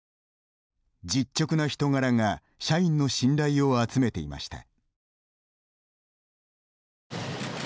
実直な人柄が社員の信頼を集めていました。